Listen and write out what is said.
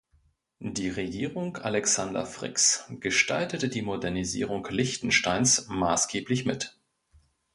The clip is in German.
Die Regierung Alexander Fricks gestaltete die Modernisierung Liechtensteins massgeblich mit.